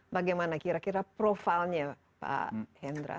bagaimana kira kira profilnya pak hendra